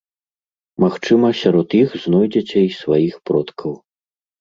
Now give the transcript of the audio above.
Магчыма, сярод іх знойдзеце і сваіх продкаў.